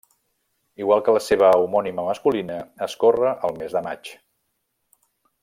Igual que la seva homònima masculina, es corre el mes de maig.